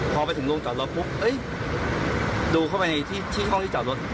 พอไปถึงโรงจอดรถปุ๊บดูเข้าไปในที่ห้องที่จอดรถ